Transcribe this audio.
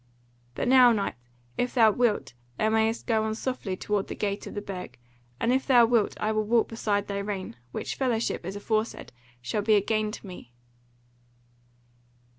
But now, knight, if thou wilt, thou mayest go on softly toward the Gate of the Burg, and if thou wilt I will walk beside thy rein, which fellowship, as aforesaid, shall be a gain to me."